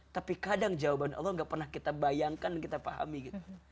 tapi kadang jawaban allah gak pernah kita bayangkan dan kita pahami gitu